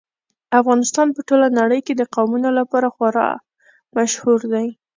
افغانستان په ټوله نړۍ کې د قومونه لپاره خورا مشهور دی.